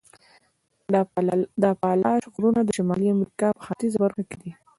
د اپالاش غرونه د شمالي امریکا په ختیځه برخه کې دي.